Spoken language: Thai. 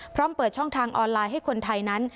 เปิดช่องทางออนไลน์ให้คนไทยนั้น